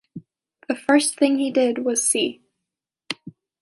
The first thing he did was see